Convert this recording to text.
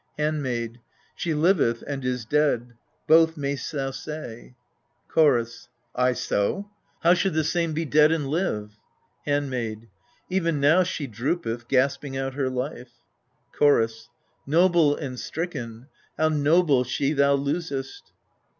Handmaid. She liveth, and is dead : both mayst thou say. Chorus. Ay so ? how should the same be dead and live? Handmaid. Even now she droopeth, gasping out her life. Chorus. Noble and stricken how noble she thou losest!